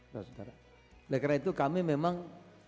karena itu kami memang